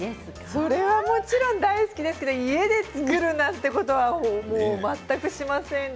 それはもちろん大好きですけど、家で作るなんてことはもう全くしませんね。